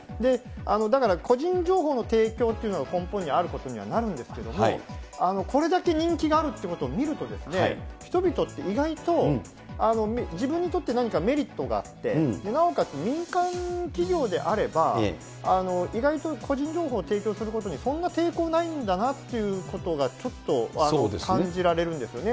だから個人情報の提供というのが根本にあることにはなるんですけれども、これだけ人気があるということを見ると、人々って、意外と、自分にとって何かメリットがあって、なおかつ民間企業であれば、意外と個人情報を提供することにそんな抵抗ないんだなということが、ちょっと感じられるんですよね。